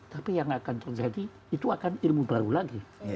tapi yang akan terjadi itu akan ilmu baru lagi